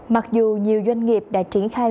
mặc dù nhiều doanh nghiệp đã triển khai